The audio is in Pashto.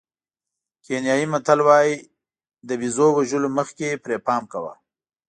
کینیايي متل وایي له بېزو وژلو مخکې پرې پام کوه.